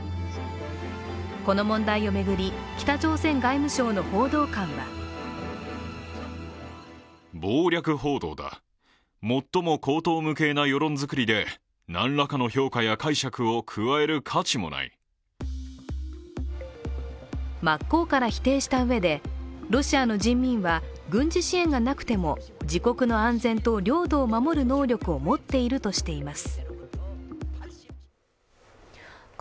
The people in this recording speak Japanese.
この問題を巡り、北朝鮮外務省の報道官は真っ向から否定したうえで、ロシアの人民は軍事支援がなくても自国の安全と領土を守る能力を持っているとしています。